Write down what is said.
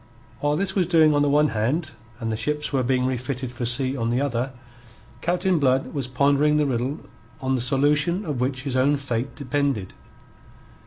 While this was doing on the one hand and the ships were being refitted for sea on the other, Captain Blood was pondering the riddle on the solution of which his own fate depended.